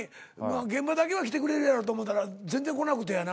現場だけは来てくれるやろうと思たら全然来なくてやな。